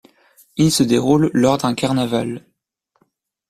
Il se déroule lors d'un carnaval.